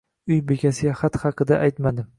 Uy bekasiga xat haqida aytmadim.